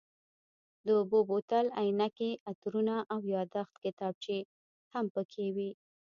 د اوبو بوتل، عینکې، عطرونه او یادښت کتابچې هم پکې وې.